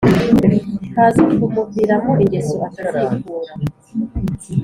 kaza kumuviramo ingeso atazikura!